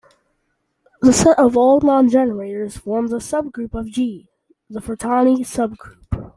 The set of all non-generators forms a subgroup of "G", the Frattini subgroup.